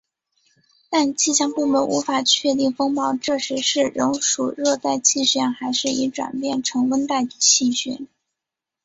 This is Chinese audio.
但气象部门无法确定风暴这时是仍属热带气旋还是已转变成温带气旋。